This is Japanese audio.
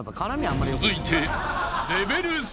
［続いて］